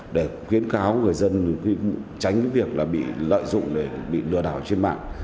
để khuyến kháo người dân tránh việc bị lợi dụng bị lừa đảo trên mạng